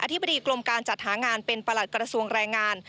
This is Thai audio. ธิบดีกรมการจัดหางานเป็นประหลัดกระทรวงแรงงาน